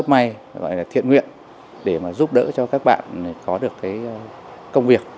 chúng tôi có sức may thiện nguyện để giúp đỡ cho các bạn có được công việc